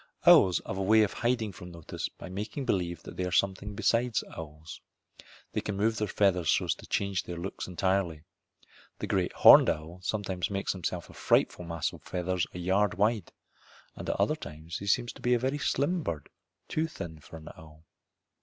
Owls have a way of hiding from notice by making believe they are something besides owls. They can move their feathers so as to change their looks entirely. The great horned owl sometimes makes himself a frightful mass of feathers a yard wide, and at other times he seems to be a very slim bird, too thin for an owl.